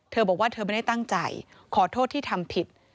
เธอบอกว่าเธอไม่ได้ตั้งใจขอโทษที่ทำผิด